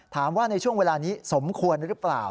ในช่วงเวลานี้สมควรหรือเปล่า